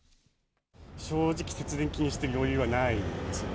正直、節電気にしてる余裕はないですよ。